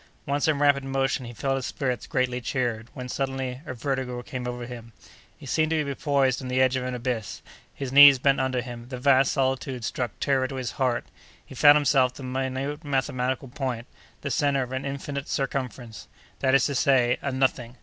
Once in rapid motion, he felt his spirits greatly cheered, when, suddenly, a vertigo came over him; he seemed to be poised on the edge of an abyss; his knees bent under him; the vast solitude struck terror to his heart; he found himself the minute mathematical point, the centre of an infinite circumference, that is to say—a nothing!